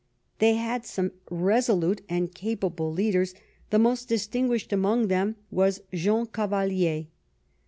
They had some resolute and capable leaders, the most distinguished among whom was Jean Cavalier.